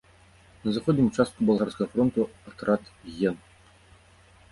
На заходнім участку балгарскага фронту атрад ген.